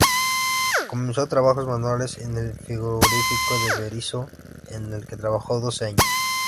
Comenzó trabajos manuales en el frigorífico de Berisso, en el que trabajó doce años.